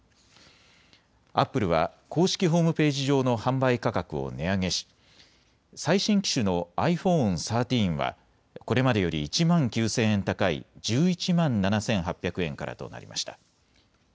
アップルは公式ホームページ上の販売価格を値上げし最新機種のｉＰｈｏｎｅ１３はこれまでより１万９０００高い１１万７８００円からとなりました。